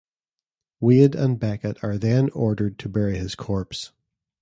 Wade and Beckett are then ordered to bury his corpse.